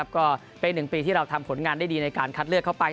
ก็เป็นหนึ่งปีที่เราทำผลงานได้ดีในการคัดเลือกเข้าไป